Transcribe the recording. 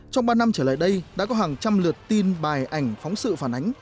trong ba năm trở lại đây đã có hàng trăm lượt tin bài ảnh phóng sự phản ánh